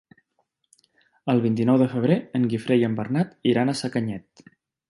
El vint-i-nou de febrer en Guifré i en Bernat iran a Sacanyet.